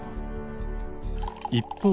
一方。